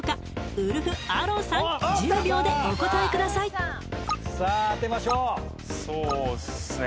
ウルフ・アロンさん１０秒でお答えくださいさあ当てましょうそうっすね